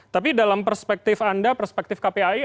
tapi dalam perspektif anda perspektif kpai